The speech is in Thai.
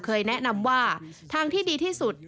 แนะนำว่าทางที่ดีที่สุด